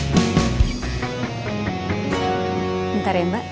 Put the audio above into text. bentar ya mbak